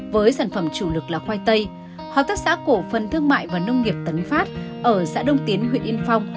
với sản phẩm chủ lực là khoai tây hợp tác xã cổ phân thương mại và nông nghiệp tấn phát ở xã đông tiến huyện yên phong